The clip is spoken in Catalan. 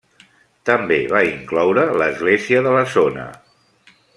També va incloure l'església de la zona.